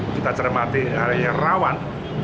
kita cermati area yang rawan